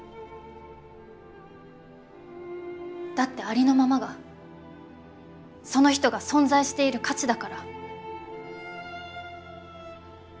だってありのままがその人が存在している価値だから。